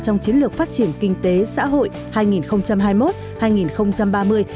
trong chiến lược phát triển kinh tế xã hội hai nghìn hai mươi một hai nghìn ba mươi